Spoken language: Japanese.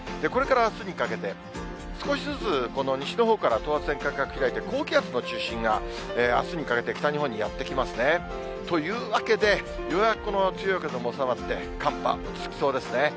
これからあすにかけて、少しずつこの西のほうから、等圧線間隔開いて、高気圧の中心が、あすにかけて、北日本にやって来ますね。というわけで、ようやくこの強い寒気も収まって、寒波落ち着きそうです。